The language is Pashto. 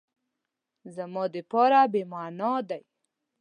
زما دپاره بی معنا ده